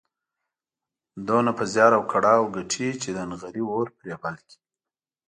دومره په زيار او کړاو ګټي چې د نغري اور پرې بل کړي.